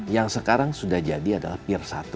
yang sekarang sudah jadi adalah peer satu